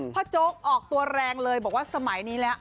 โจ๊กออกตัวแรงเลยบอกว่าสมัยนี้แล้ว